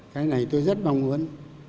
cái này tôi rất mong muốn